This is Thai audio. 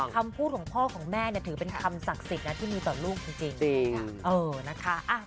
คำพูดของพ่อของแม่เนี่ยถือเป็นคำศักดิ์สิทธิ์นะที่มีต่อลูกจริงนะคะ